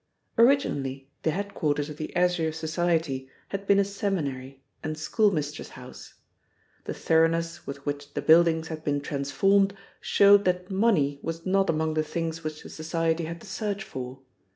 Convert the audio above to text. Originally the headquarters of the Azure Society had been a seminary and schoolmistress' house. The thoroughness with which the buildings had been transformed showed that money was not among the things which the society had to search for.